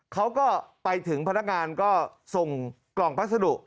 เขาก็ไปถึงพนักงานก็ส่งกล่องพัสดุ